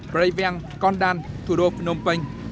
breivik condal thủ đô phnom penh